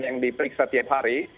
yang diperiksa tiap hari